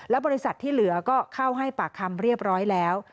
บริษัทที่เหลือก็เข้าให้ปากคำเรียบร้อยแล้ว